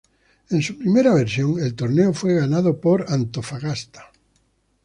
En su primera versión, el torneo fue ganado por Antofagasta.